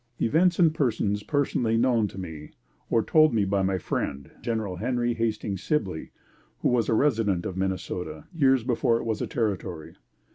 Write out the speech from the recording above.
Events and persons personally known to me or told me by my friend, Gen. Henry Hastings Sibley, who was a resident of Minnesota, years before it was a territory.